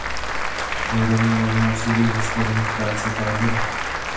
Vzpoura měla za následek zastavení práce tábora.